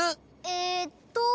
えっと。